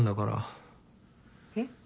えっ？